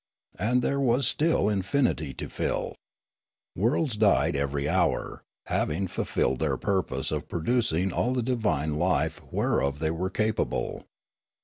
And there was still infinity to fill. Worlds died every hour, having fulfilled their purpose of producing all the divine life whereof they were capable.